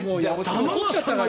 撮っちゃったんだから。